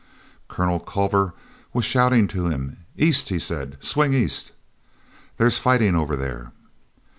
Colonel Culver was shouting to him. "East," he said. "Swing east. There's fighting over there."